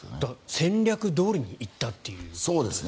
戦略どおりに行ったということですね。